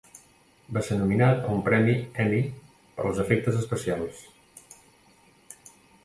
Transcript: Va ser nominat a un premi Emmy per els efectes especials.